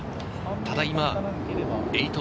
ただ今、＋８。